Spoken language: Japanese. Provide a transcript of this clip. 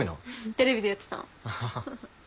テレビでやってたの。